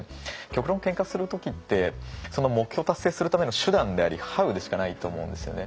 極論けんかする時ってその目標を達成するための手段でありＨｏｗでしかないと思うんですよね。